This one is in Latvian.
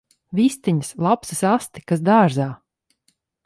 Vistiņas! Lapsas asti! Kas dārzā!